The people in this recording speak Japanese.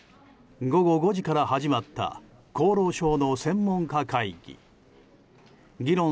午後５時から始まった厚労省の専門家会議。